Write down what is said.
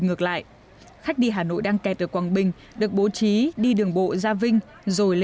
gia đồng hới